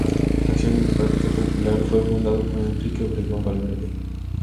Acción Democrática Popular fue fundado por Enrique Obregón Valverde.